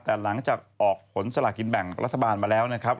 แต่หลังจากออกผลสลากินแบ่งรัฐบาลมาแล้วนะครับ